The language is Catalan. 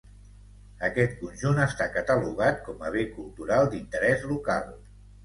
Aquest conjunt està catalogat com a bé cultural d'interès local.